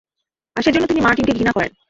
আর সেজন্য তিনি মার্টিন কে ঘৃণা করেন।